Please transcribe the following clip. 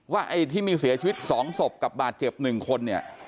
ไอ้ที่มีเสียชีวิต๒ศพกับบาดเจ็บ๑คนเนี่ย